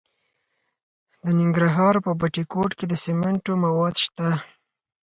د ننګرهار په بټي کوټ کې د سمنټو مواد شته.